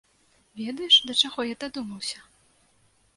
Ведаеш, да чаго я дадумаўся?